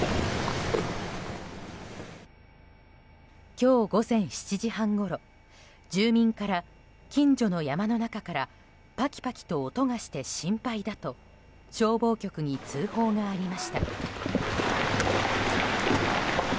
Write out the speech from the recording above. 今日午前７時半ごろ住民から、近所の山の中からパキパキと音がして心配だと消防局に通報がありました。